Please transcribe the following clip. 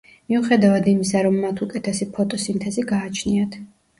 მიუხედავად იმისა, რომ მათ უკეთესი ფოტოსინთეზი გააჩნიათ.